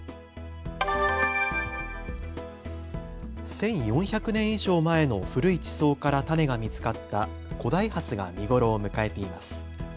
１４００年以上前の古い地層から種が見つかった古代ハスが見頃を迎えています。